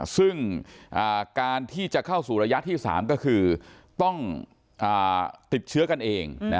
ซึ่งการที่จะเข้าสู่ระยะที่๓ก็คือต้องติดเชื้อกันเอง